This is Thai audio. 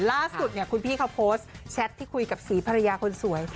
ล่าสุดคุณพี่เขาโพสต์แชทที่คุยกับศรีภรรยาคนสวย